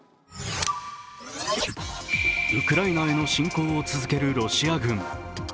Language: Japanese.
ウクライナへの侵攻を続けるロシア軍。